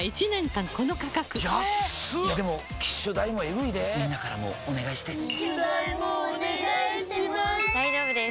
でも機種代もエグいでぇみんなからもお願いして機種代もお願いします